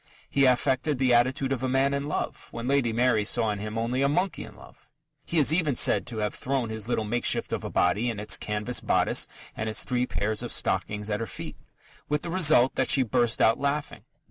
He affected the attitude of a man in love, when Lady Mary saw in him only a monkey in love. He is even said to have thrown his little makeshift of a body, in its canvas bodice and its three pairs of stockings, at her feet, with the result that she burst out laughing.